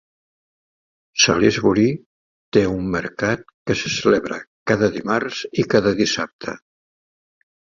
Salisbury té un mercat que se celebra cada dimarts i cada dissabte.